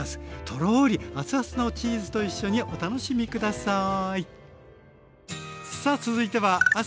とろり熱々のチーズと一緒にお楽しみ下さい。